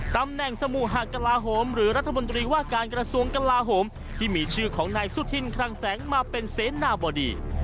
ตำแหน่งสมุหากลาโหมหรือรัฐมนตรีว่าการกระทรวงกลาโหมที่มีชื่อของนายสุธินคลังแสงมาเป็นเสนาบดี